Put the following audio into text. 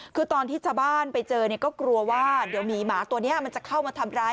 คือตอนที่ชาวบ้านไปเจอเนี่ยก็กลัวว่าเดี๋ยวหมีหมาตัวนี้มันจะเข้ามาทำร้าย